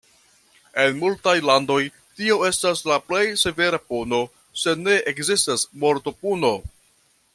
En multaj landoj tio estas la plej severa puno, se ne ekzistas mortopuno.